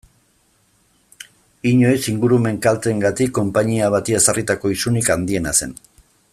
Inoiz ingurumen kalteengatik konpainia bati ezarritako isunik handiena zen.